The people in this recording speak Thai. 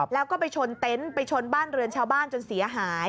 แล้วก็ไปชนเต็นต์ไปชนบ้านเรือนชาวบ้านจนเสียหาย